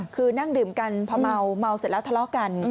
คือนั่งดื่มกันพอเมาเสร็จแล้วทะเลาะกัน